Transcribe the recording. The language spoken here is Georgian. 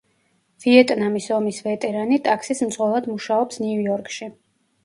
ვიეტნამის ომის ვეტერანი ტაქსის მძღოლად მუშაობს ნიუ-იორკში.